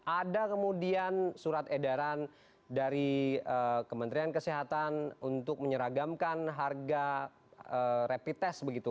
ada kemudian surat edaran dari kementerian kesehatan untuk menyeragamkan harga rapid test begitu